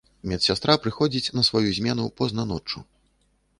Медсястра прыходзіць на сваю змену позна ноччу.